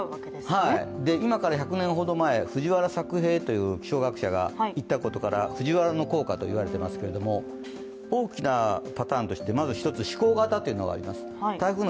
今から１００年ほど前、藤原咲平という気象学者がいった言葉で藤原の効果と言われていますけれども大きなパターンとして、まず１つ、指向型というのがあります